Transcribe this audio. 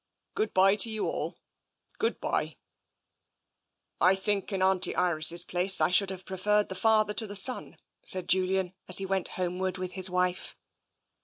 Good bye to you all, good bye." " I think, in Auntie Iris' place, I should have pre ferred the father to the son," said Julian, as he went homeward with his wife.